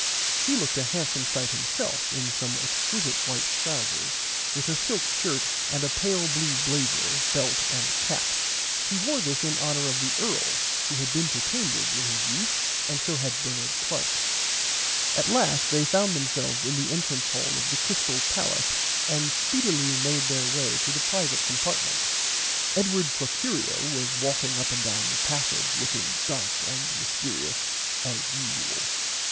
He looked a handsome sight himself in some exquisite white trousers with a silk shirt and a pale blue blazer belt and cap. He wore this in honour of the earl who had been to Cambridge in his youth and so had Bernard Clark. At last they found themselves in the entrance hall of the Crystale palace and speedily made their way to the privite compartments. Edward Procurio was walking up and down the passage looking dark and mystearious as usual.